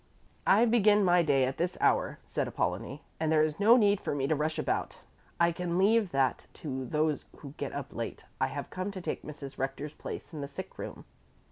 "I begin my day at this hour," said Apollonie, "and there is no need for me to rush about. I can leave that to those who get up late. I have come to take Mrs. Rector's place in the sick room."